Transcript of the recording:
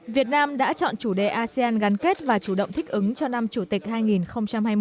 việt nam đã chọn chủ đề asean gắn kết và chủ động thích ứng cho năm chủ tịch hai nghìn hai mươi